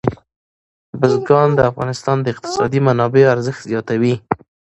بزګان د افغانستان د اقتصادي منابعو ارزښت زیاتوي.